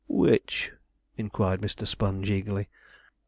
'Which?' inquired Mr. Sponge eagerly.